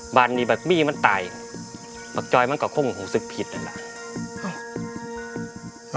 อะบ้านนี้มันตายมันก็คงหูสึกผิดเลยแหละ